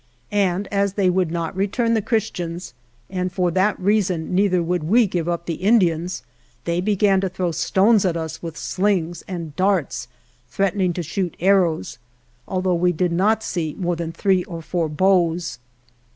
And as they would not return the Giris tians, and for that reason neither would we give up the Indians, they began to throw stones at us with slings, and darts, threaten ing to shoot arrows, although we did not see more than three or four bows.